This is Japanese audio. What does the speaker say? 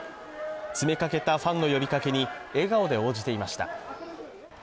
詰めかけたファンの呼びかけに笑顔で応じていました。